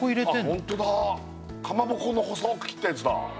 あっ本当だかまぼこの細く切ったやつだ